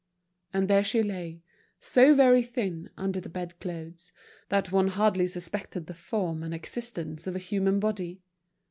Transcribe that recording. And there she lay, so very thin, under the bed clothes, that one hardly suspected the form and existence of a human body.